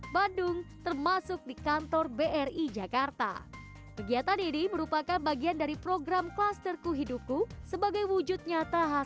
bang rakyat indonesia